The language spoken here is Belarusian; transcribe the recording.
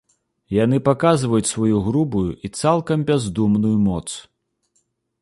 Яны паказваюць сваю грубую і цалкам бяздумную моц.